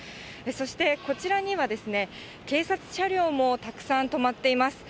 そしてこちらには警察車両もたくさん止まっています。